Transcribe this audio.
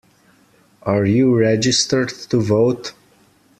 Are you registered to vote?